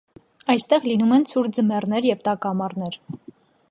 Այստեղ լինում են ցուրտ ձմեռներ և տաք ամառներ։